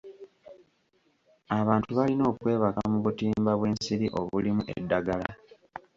Abantu balina okwebaka mu butimba bw'ensiri obulimu eddagala.